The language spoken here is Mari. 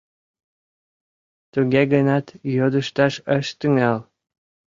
Туге гынат йодышташ ышт тӱҥал.